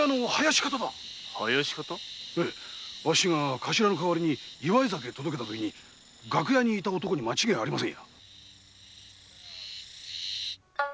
カシラの代わりに祝い酒を届けたときに楽屋に居た男に間違いありません。